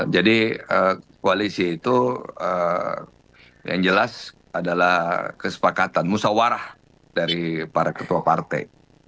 jadi koalisi itu yang jelas adalah kesepakatan musyawarah dari para ketua partai